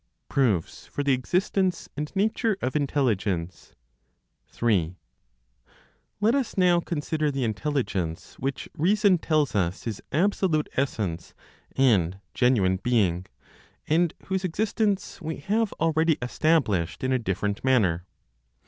PROOFS FOR THE EXISTENCE AND NATURE OF INTELLIGENCE. 3. Let us now consider the Intelligence which reason tells us is absolute essence and genuine "being," and whose existence we have already established in a different manner.